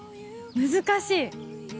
難しい。